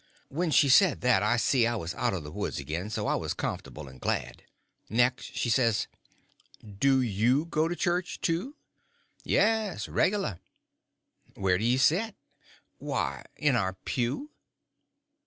When she said that I see I was out of the woods again, and so I was comfortable and glad. Next, she says: "Do you go to church, too?" "Yes—regular." "Where do you set?" "Why, in our pew."